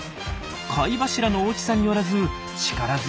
貝柱の大きさによらず力強いんですね。